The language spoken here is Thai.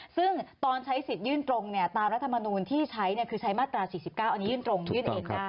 ซึ่งตอนใช้สิทธิยื่นตรงตามรัฐมนูลที่ใช้คือใช้มาตรา๔๙อันนี้ยื่นตรงยื่นเองได้